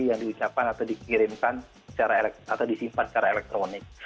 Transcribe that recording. yang diucapkan atau dikirimkan secara disimpan secara elektronik